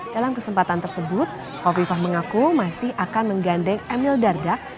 dalam kesempatan tersebut kofifah mengaku masih akan menggandeng emil dardak